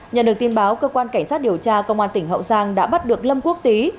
nhận được tin báo cơ quan cảnh sát điều tra công an tỉnh hậu giang đã bắt được lâm quốc tí